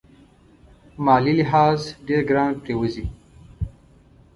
مالي لحاظ ډېر ګران پرېوزي.